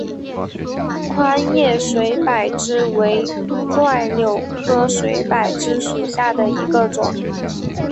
宽叶水柏枝为柽柳科水柏枝属下的一个种。